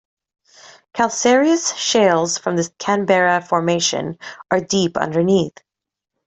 Calcareous shales from the Canberra Formation are deep underneath.